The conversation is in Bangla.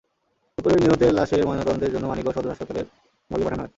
দুপুরে নিহতের লাশের ময়নাতদন্তের জন্য মানিকগঞ্জ সদর হাসপাতালের মর্গে পাঠানো হয়।